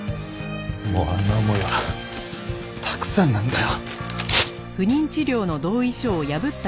もうあんな思いはたくさんなんだよ。